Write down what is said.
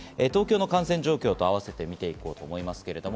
東京の感染状況とあわせて見ていこうと思います。